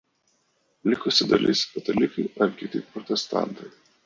Likusi dalis katalikai ar kiti protestantai.